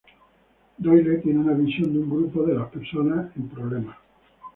Doyle tiene una visión de un grupo de de personas en problemas.